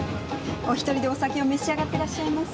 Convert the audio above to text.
お１人でお酒を召し上がっていらっしゃいます。